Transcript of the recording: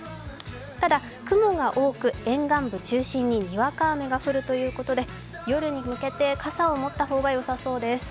ただ、雲が多く沿岸部中心に、にわか雨が降るということで夜に向けて傘を持った方がよさそうです。